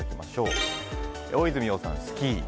大泉洋さん、スキー。